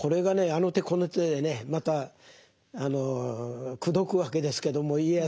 あの手この手でねまた口説くわけですけども家康を。